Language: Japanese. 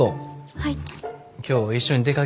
はい。